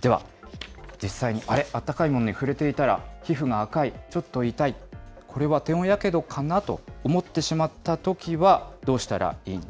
では、実際に、あれ、あったかいものに触れていたら、皮膚が赤い、ちょっと痛い、これは低温やけどかな？と思ってしまったときは、どうしたらいいか。